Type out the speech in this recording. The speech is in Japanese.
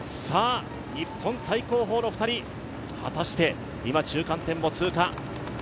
日本最高峰の２人果たして今、中間点を通過です。